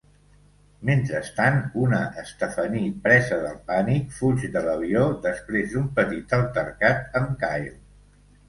Mentrestant, una Stephanie presa del pànic, fuig de l'avió després d'un petit altercat amb Kyle.